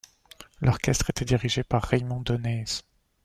L'orchestre était dirigé par Raymond Donnez.